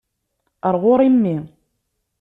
Ɣer ɣur-i mmi.